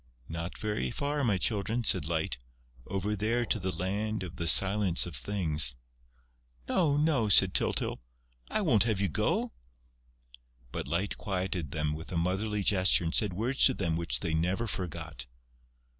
"Not very far, my Children," said Light. "Over there to the Land of the Silence of Things." "No, no," said Tyltyl. "I won't have you go...." But Light quieted them with a motherly gesture and said words to them which they never forgot.